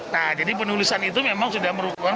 nah jadi penulisan itu memang sudah merupakan